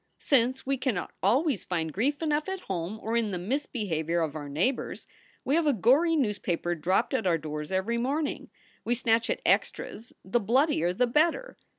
Since we cannot always find grief enough at home or in the misbehavior of our neighbors, we have a gory newspaper dropped at our doors every morning. We snatch at extras, the bloodier the better.